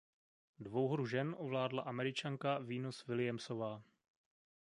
Dvouhru žen ovládla Američanka Venus Williamsová.